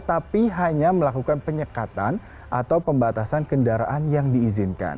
tapi hanya melakukan penyekatan atau pembatasan kendaraan yang diizinkan